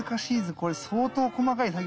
これ相当細かい作業ですね